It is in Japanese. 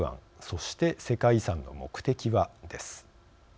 そして世界遺産の目的は？です。